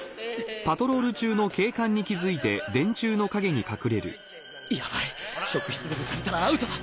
これヤバイ職質でもされたらアウトだ